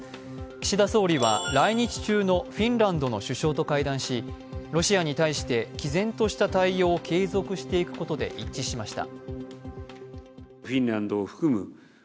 岸田総理は来日中のフィンランドの首相と会談し、ロシアに対してきぜんとした対応を継続していくことで一致しました。